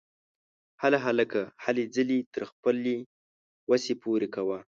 هله هلکه ! هلې ځلې تر خپلې وسې پوره کوه!